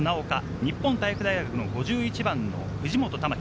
日本体育大学５１番、藤本珠輝。